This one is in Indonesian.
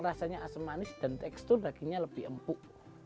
rasanya asam manis dan tekstur dagingnya lebih empuk